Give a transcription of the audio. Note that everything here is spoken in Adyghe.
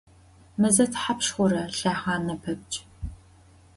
Meze thapşş xhura lhexhane pepçç?